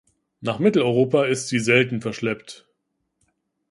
Nach Mitteleuropa ist sie selten verschleppt.